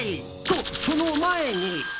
と、その前に。